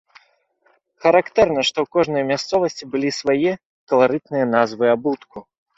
Характэрна, што ў кожнай мясцовасці былі свае, каларытныя назвы абутку.